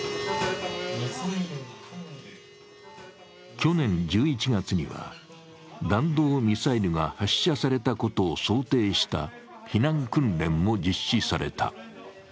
去年１１月には弾道ミサイルが発射されたことを想定した避難訓練も実施された。